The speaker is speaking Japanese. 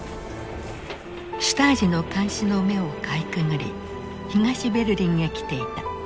シュタージの監視の目をかいくぐり東ベルリンへ来ていた。